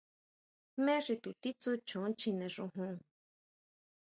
¿Jmé xi to titsú choo chine xojon?